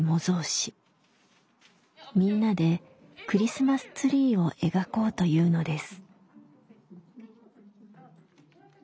みんなでクリスマスツリーを描こうというのです。